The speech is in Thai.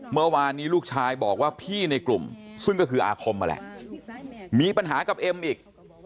เมื่อวานนี้ลูกชายบอกว่าพี่ในกลุ่มซึ่งก็คืออาคมนั่นแหละมีปัญหากับเอ็มอีก